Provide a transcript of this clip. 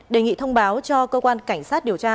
đề nghị thông báo cho cơ quan cảnh sát điều tra